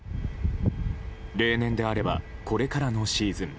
例年であればこれからのシーズン